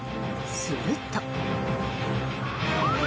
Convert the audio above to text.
すると。